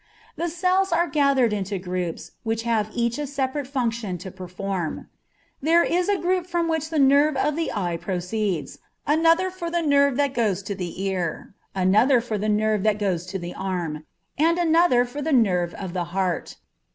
The cells are gathered into groups, which have each a separate function to perform. There is a group from which the nerve of the eye proceeds; another for the nerve that goes to the ear; another for the nerve that goes to the arm; and another for the nerve of the heart.